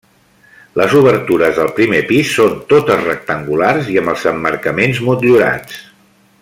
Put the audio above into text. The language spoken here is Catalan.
Les obertures del primer pis són totes rectangulars i amb els emmarcaments motllurats.